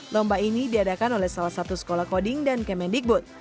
lomba ini diadakan oleh salah satu sekolah coding dan kemendikbud